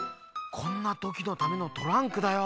こんなときのためのトランクだよ。